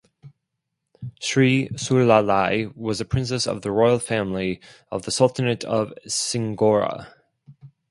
Sri Sulalai was a princess of the royal family of the Sultanate of Singora.